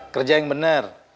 kerja yang bener